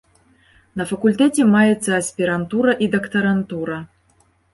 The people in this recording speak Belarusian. На факультэце маецца аспірантура і дактарантура.